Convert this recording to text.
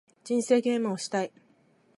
人生ゲームをしたい